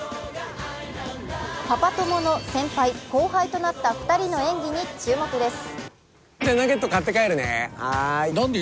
パパ友の先輩後輩となった２人の演技に注目です。